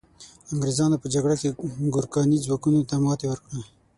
انګریزانو په جګړه کې ګورکاني ځواکونو ته ماتي ورکړه.